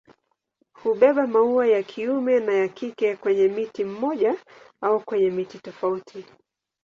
Hubeba maua ya kiume na ya kike kwenye mti mmoja au kwenye miti tofauti.